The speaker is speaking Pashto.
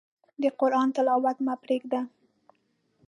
د قرآن تلاوت مه پرېږده.